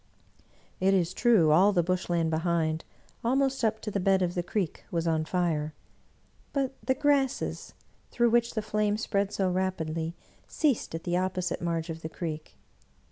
It is true all the Bush land behind, almost up to the 93 English Mystery Stories bed of the creek, was on fire; but the grasses, through which the flame spread so rapidly, ceased at the opposite marge of the creek.